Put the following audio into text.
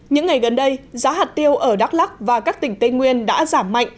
những ngày gần đây giá hạt tiêu ở đắk lắc và các tỉnh tây nguyên đã giảm mạnh